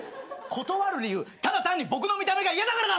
断る理由ただ単に僕の見た目が嫌だからだろ！